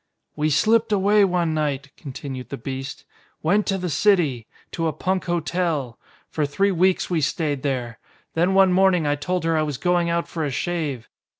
"We slipped away one night," continued the beast. "Went to the city. To a punk hotel. For three weeks we stayed there. Then one morning I told her I was going out for a shave.